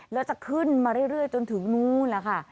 แล้วจะขึ้นมาเรื่อยจนถึงนู้นแหละค่ะ